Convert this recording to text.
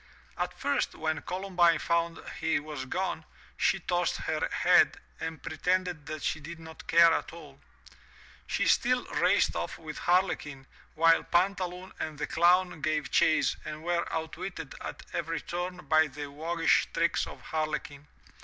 At first, when Columbine found he was gone, she tossed her head and pretended that she did not care at all. She still raced off with Harlequin, while Pantaloon and the Clown gave chase and were outwitted at every turn by the waggish tricks of Harle quin.